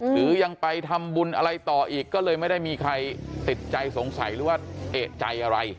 หรือยังไปทำบุญอะไรต่ออีกก็เลยไม่ได้มีใครติดใจสงสัยหรือว่าเอกใจอะไร